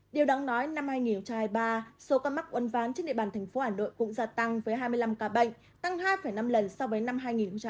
điều đáng nói năm hai nghìn hai mươi ba số ca mắc uốn ván trên địa bàn thành phố hà nội cũng gia tăng với hai mươi năm ca bệnh tăng hai năm lần so với năm hai nghìn hai mươi hai